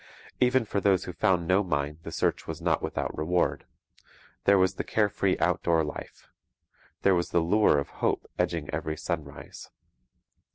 Even for those who found no mine the search was not without reward. There was the care free outdoor life. There was the lure of hope edging every sunrise.